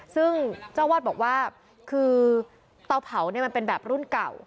ซึ่งเจ้าวาดบอกว่าคือเตาเผาเนี่ยมันเป็นแบบรุ่นเก่า